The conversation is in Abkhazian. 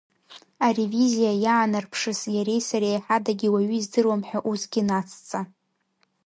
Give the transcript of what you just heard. Аревизиа иаанарԥшыз иареи сареи ҳадагьы уаҩы издыруам ҳәа усгьы нацҵа…